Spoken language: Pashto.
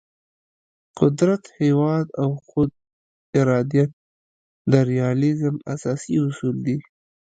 قدرت، هیواد او خود ارادیت د ریالیزم اساسي اصول دي.